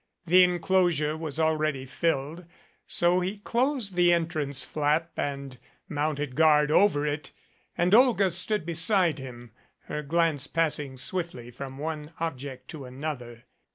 The enclos ure was already filled, so he closed the entrance flap and mounted guard over it and Olga stood beside him, her glance passing swiftly from one object to another.